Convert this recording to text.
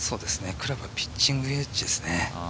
クラブはピッチングウェッジですね。